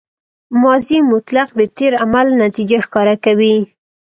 ماضي مطلق د تېر عمل نتیجه ښکاره کوي.